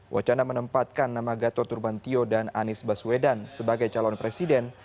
wacana menempatkan nama gatot turbantio dan anies baswedan sebagai calon presiden